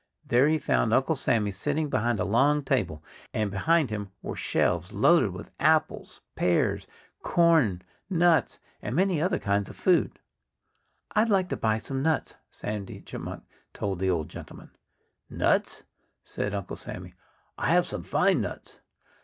There he found Uncle Sammy sitting behind a long table. And behind him were shelves loaded with apples, pears, corn, nuts and many other kinds of food. "I'd like to buy some nuts," Sandy Chipmunk told the old gentleman. "Nuts?" said Uncle Sammy. "I have some fine nuts."